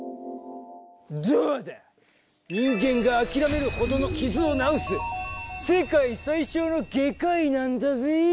どうだ人間が諦めるほどの傷を治す世界最小の外科医なんだぜ。